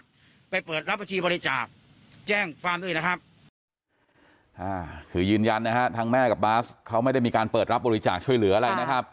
ไปเปิดรับบัญชีบริจาคแจ้งความด้วยนะครับอ่าคือยืนยันนะฮะทางแม่กับบาสเขาไม่ได้มีการเปิดรับบริจาคช่วยเหลืออะไรนะครับ